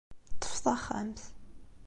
Ṭṭef taxxamt.